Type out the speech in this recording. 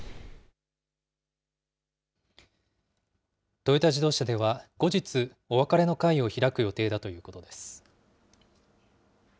トヨタ自動車では後日、お別れの会を開く予定だということです。